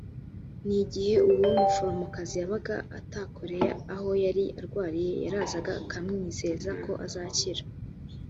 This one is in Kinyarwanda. ni igihe uwo muforomokazi yabaga atakoreye aho yari arwariye yarazaga akamwizeza ko azakira